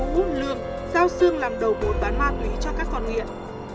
vũ lương giao sương làm đầu bốn bán ma túy cho các con nghiện